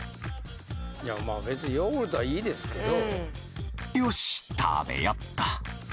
いやまあ別にヨーグルトはいいですけど。